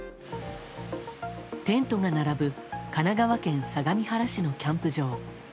テントが並ぶ神奈川県相模原市のキャンプ場。